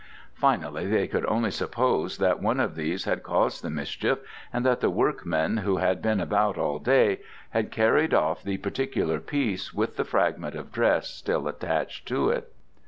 Finally, they could only suppose that one of these had caused the mischief, and that the workmen, who had been about all day, had carried off the particular piece with the fragment of dress still attached to it.